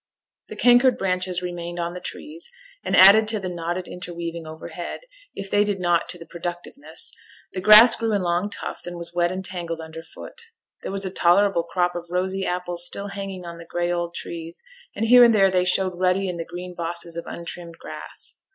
The cankered branches remained on the trees, and added to the knotted interweaving overhead, if they did not to the productiveness; the grass grew in long tufts, and was wet and tangled under foot. There was a tolerable crop of rosy apples still hanging on the gray old trees, and here and there they showed ruddy in the green bosses of untrimmed grass.